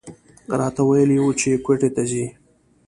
راته ویلي و چې کویټې ته ځي.